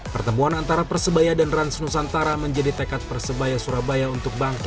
pertemuan antara persebaya dan rans nusantara menjadi tekad persebaya surabaya untuk bangkit